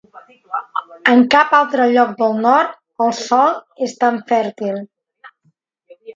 En cap altre lloc del Nord el sòl és tan fèrtil.